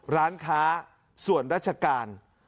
ร้านค้าส่วนราชการ